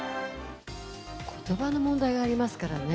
ことばの問題ありますからね。